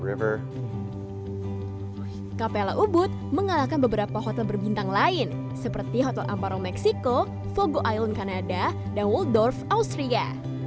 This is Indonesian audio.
kapela ubud mengalahkan beberapa hotel berbintang lain seperti hotel amparo meksiko fogo island kanada dan woldorf austria